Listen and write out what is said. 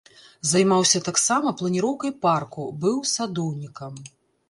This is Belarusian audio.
Займаўся таксама планіроўкай парку, быў садоўнікам.